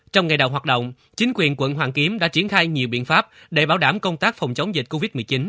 trong ngày đầu hoạt động chính quyền quận hoàn kiếm đã triển khai nhiều biện pháp để bảo đảm công tác phòng chống dịch covid một mươi chín